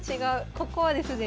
ここはですね